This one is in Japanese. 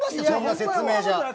そんな説明じゃ。